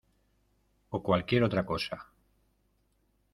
o cualquier otra cosa.